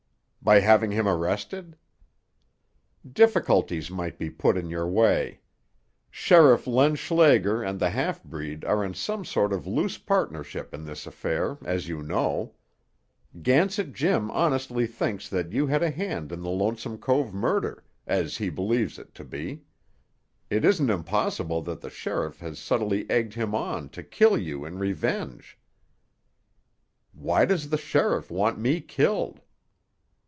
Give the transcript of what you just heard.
"By having him arrested?" "Difficulties might be put in our way. Sheriff Len Schlager and the half breed are in some sort of loose partnership in this affair, as you know. Gansett Jim honestly thinks that you had a hand in the Lonesome Cove murder, as he believes it to be. It isn't impossible that the sheriff has subtly egged him on to kill you in revenge." "Why does the sheriff want me killed?"